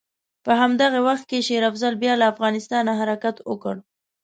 په همدغه وخت کې شېر افضل بیا له افغانستانه حرکت وکړ.